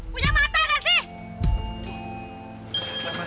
punya mata nasi